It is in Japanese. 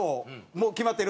もう決まってる？